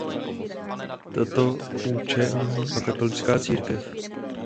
Tato učení uznává katolická církev.